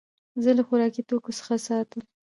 زه له خوراکي توکو څخه ساتم.